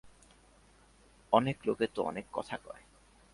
অনেক লোকে তো অনেক কথা কয়।